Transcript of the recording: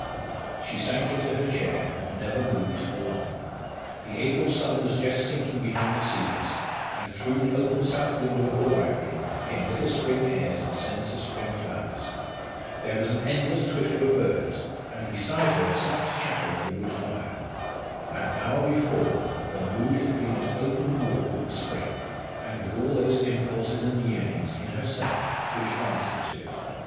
She sank into her chair and never moved for long. The April sun was just sinking behind the cedars, and through the open south window of the library came little spring airs and scents of spring flowers. There was an endless twitter of birds, and beside her the soft chatter of the wood fire. An hour before, her mood had been at open war with the spring, and with all those impulses and yearnings in herself which answered to it.